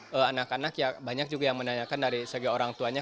dan anak anak ya banyak juga yang menanyakan dari segi orang tuanya